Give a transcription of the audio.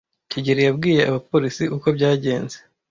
kigeli yabwiye abapolisi uko byagenze?